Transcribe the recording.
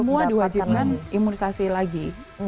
semua diwajibkan imunisasi lagi